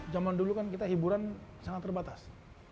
zaman dulu kan kita hiburan sangat terbatas